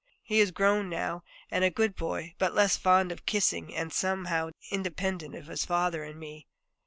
He is grown now and a good boy, but less fond of kissing, and somehow independent of his father and of me.